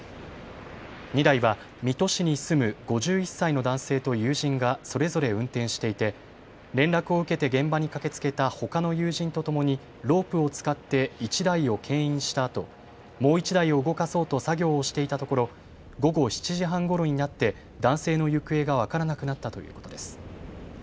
２台は水戸市に住む５１歳の男性と友人がそれぞれ運転していて連絡を受けて現場に駆けつけたほかの友人とともにロープを使って１台をけん引したあと、もう１台を動かそうと作業をしていたところ午後７時半ごろになって男性の行方が分からなくなったということです。